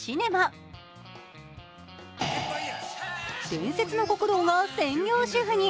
伝説の極道が専業主夫に。